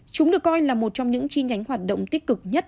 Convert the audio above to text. chúng được coi là một trong những chi nhánh hoạt động tích cực nhất